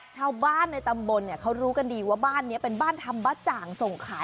ชาวบ้านในตำบลเนี่ยเขารู้กันดีว่าบ้านนี้เป็นบ้านทำบ๊ะจ่างส่งขาย